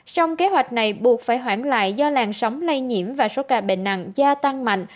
sông kế hoạch này buộc phải hoãn lại do làn sóng lây nhiễm và số ca bệnh nặng gia tăng mạnh